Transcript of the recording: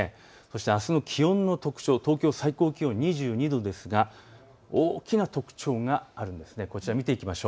あすの気温の特徴、東京最高気温２２度ですが大きな特徴があるんです。